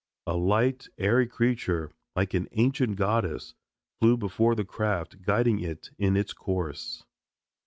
A light, airy creature, like an ancient goddess, flew before the craft guiding it in its course.